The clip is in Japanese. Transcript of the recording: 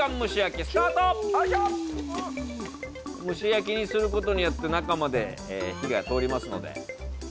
蒸し焼きにすることによって中まで火が通りますので。